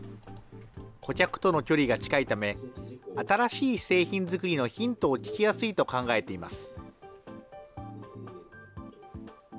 顧客との距離が近いため、新しい製品作りのヒントを聞きやすいと考えています。